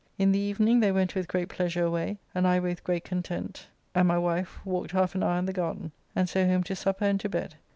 In the evening they went with great pleasure away, and I with great content and my wife walked half an hour in the garden, and so home to supper and to bed.